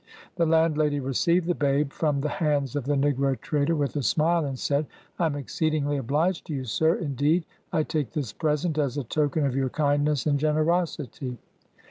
The landlady received the babe from the hands of the negro trader with a smile, and said. — "lam exceedingly obliged to you, sir, indeed. I take this present as a token of your kindness and generos ity."